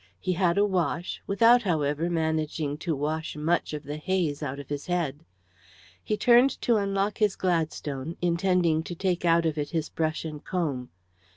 He had a wash without, however, managing to wash much of the haze out of his head. He turned to unlock his Gladstone, intending to take out of it his brush and comb.